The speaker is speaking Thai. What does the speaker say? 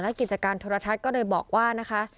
และกิจการโทรทัศน์ก็เลยบอกว่านะคะ